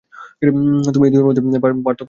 তুমি এই দুইয়ের মধ্যের পার্থক্য জানো না?